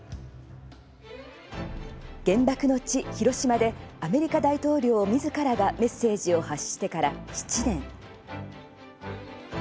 原爆の地、広島でアメリカ大統領みずからがメッセージを発してから７年。